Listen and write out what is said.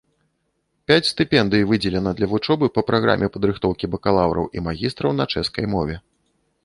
Пяць стыпендый выдзелена для вучобы па праграме падрыхтоўкі бакалаўраў і магістраў на чэшскай мове.